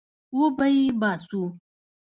وبې يې باسو.